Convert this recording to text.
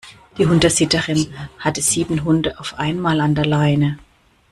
Die Hundesitterin hatte sieben Hunde auf einmal an der Leine.